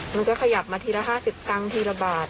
มันก็ขยับมาทีละ๕๐ตังค์ทีละบาท